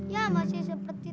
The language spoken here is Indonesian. ya masih seperti